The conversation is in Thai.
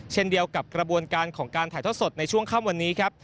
เช่นเดียวกับกระบวนการของการถ่ายทอดสดในช่วงค่ำวันนี้ครับ